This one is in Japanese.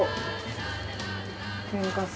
天かす。